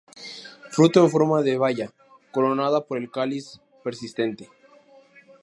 Fruto en forma de baya, coronada por el cáliz persistente.